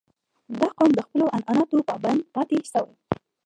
• دا قوم د خپلو عنعناتو پابند پاتې شوی.